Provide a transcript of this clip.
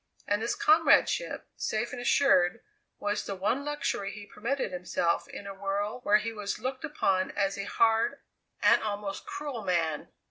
And this comradeship, safe and assured, was the one luxury he permitted himself in a world where he was looked upon as a hard, an almost cruel, man.